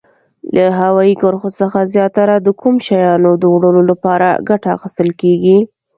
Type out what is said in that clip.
له هوایي کرښو څخه زیاتره د کوم شیانو د وړلو لپاره ګټه اخیستل کیږي؟